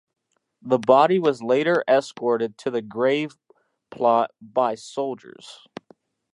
The body was later escorted to the grave plot by soldiers.